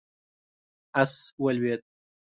آس ولوېد.